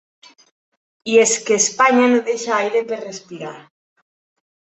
I és que Espanya no deixa aire per respirar.